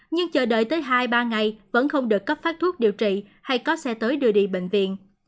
nhưng chờ đợi tới hai ba ngày vẫn không được cấp phát thuốc điều trị hay có xe tới đưa đi bệnh viện